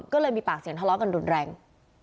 ก็เลยมีปากเสียงทะเลาะกันรุนแรง